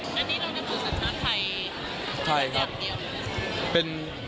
แล้วที่นี่มันคือสัญชาติไทยหรือเป็นอันเดียว